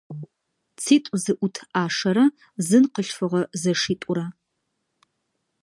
ЦитӀу зыӀут Ӏашэрэ зын къылъфыгъэ зэшитӀурэ.